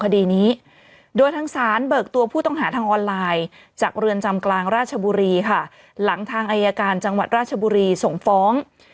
ของเรือนจำกลางราชบุรีค่ะหลังทางอายการจังหวัดราชบุรีส่งฟ้อง